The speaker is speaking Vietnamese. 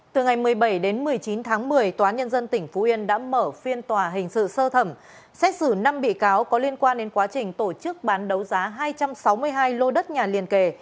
từ ngày một mươi bảy đến một mươi chín tháng một mươi tòa nhân dân tỉnh phú yên đã mở phiên tòa hình sự sơ thẩm xét xử năm bị cáo có liên quan đến quá trình tổ chức bán đấu giá hai trăm sáu mươi hai lô đất nhà liên kề